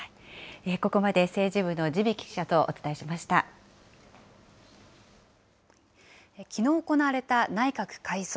ここまで政治部の地曳記者とお伝きのう行われた内閣改造。